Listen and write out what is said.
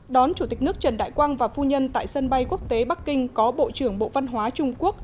đón chủ tịch nước trần đại quang và phu nhân tại sân bay quốc tế bắc kinh có bộ trưởng bộ văn hóa trung quốc